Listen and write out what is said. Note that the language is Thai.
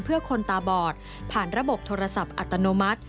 เพื่อคนตาบอดผ่านระบบโทรศัพท์อัตโนมัติ